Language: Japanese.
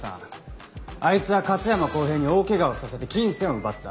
あいつは勝山康平に大怪我をさせて金銭を奪った。